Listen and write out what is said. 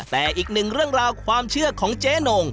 แต่อีกหนึ่งเรื่องราวความเชื่อของเจ๊นง